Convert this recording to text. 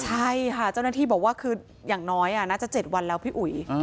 ใช่ค่ะเจ้าหน้าที่บอกว่าคืออย่างน้อยน่าจะ๗วันแล้วพี่อุ๋ย